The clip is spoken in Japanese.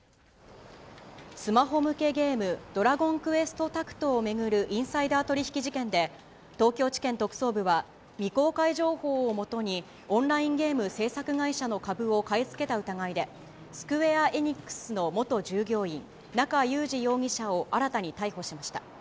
スマホ向けゲーム、ドラゴンクエストタクトを巡るインサイダー取引事件で、東京地検特捜部は、未公開情報をもとにオンラインゲーム制作会社の株を買い付けた疑いで、スクウェア・エニックスの元従業員、中裕司容疑者を新たに逮捕しました。